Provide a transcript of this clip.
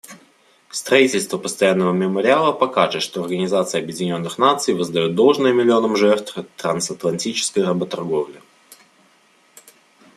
Строительство постоянного мемориала покажет, что Организация Объединенных Наций воздает должное миллионам жертв трансатлантической работорговли.